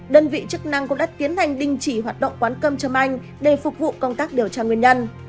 đơn vị chức năng cũng đã tiến hành đình chỉ hoạt động quán cơm châm anh để phục vụ công tác điều tra nguyên nhân